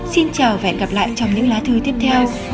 xin chào và hẹn gặp lại trong những lá thư tiếp theo